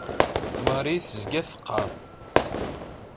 Marie tezga teqqar.